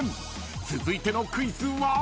［続いてのクイズは？］